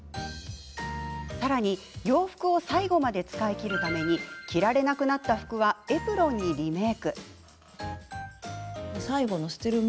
さらに、洋服を最後まで使い切るため着られなくなった服はエプロンにリメーク。